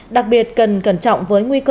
đặc biệt cần cẩn trọng với nguy cơ